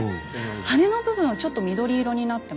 羽の部分はちょっと緑色になってますね。